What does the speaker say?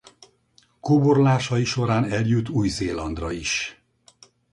Kóborlásai során eljut Új-Zélandra is.